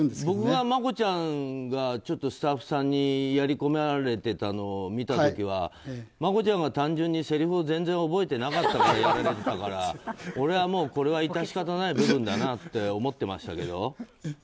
僕がマコちゃんがスタッフさんにやり込められてたのを見た時はマコちゃんが単純にせりふ全然覚えてなかったからだから俺はもうこれは致し方ない部分だなと思っていましたけど。